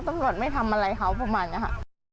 ตำรวจไม่ทำอะไรเขาประมาณนี้ค่ะ